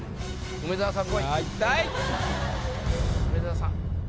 梅沢さん。